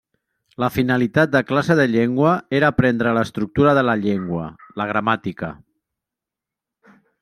La finalitat de classe de llengua era aprendre l'estructura de la llengua: la gramàtica.